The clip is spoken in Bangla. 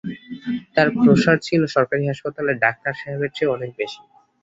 তাঁর প্রসার ছিল সরকারি হাসপাতালের ডাক্তার সাহেবের চেয়েও অনেক বেশি।